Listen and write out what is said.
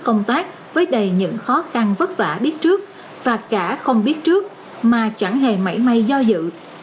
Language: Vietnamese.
họ đã đến công tác với đầy những khó khăn vất vả biết trước và cả không biết trước mà chẳng hề mảy may do dự